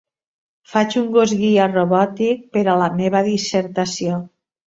Faig un gos guia robòtic per a la meva dissertació.